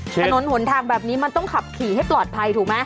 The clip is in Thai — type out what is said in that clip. ถนนหนทางแบบนี้มันต้องขับขี่ให้ปลอดภัยถูกไหม